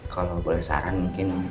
kalau boleh saran mungkin